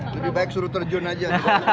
lebih baik suruh terjun aja